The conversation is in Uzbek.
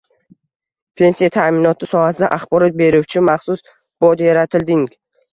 Pensiya ta’minoti sohasida axborot beruvchi maxsus bot yaratilding